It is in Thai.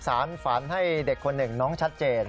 สารฝันให้เด็กคนหนึ่งน้องชัดเจน